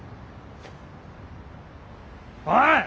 おい！